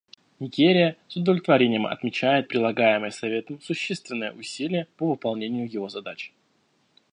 Нигерия с удовлетворением отмечает прилагаемые Советом существенные усилия по выполнению его задач.